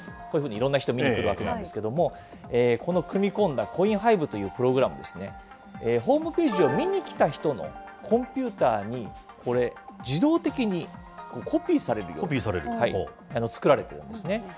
こういうふうにいろんな人、見にくるわけなんですけれども、この組み込んだコインハイブというプログラムですね、ホームページを見にきた人のコンピューターに、これ、自動的にコピーされるように作られているんですね。